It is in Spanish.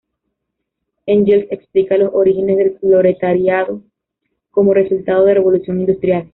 Engels explica los orígenes del proletariado como resultado de la Revolución Industrial.